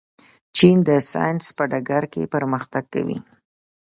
چین د ساینس په ډګر کې پرمختګ کوي.